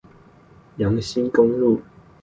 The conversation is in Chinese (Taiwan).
楊新公路